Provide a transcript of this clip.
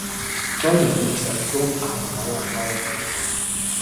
Dolder wuchs als Sohn armer Bauern auf.